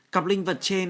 cặp linh vật trên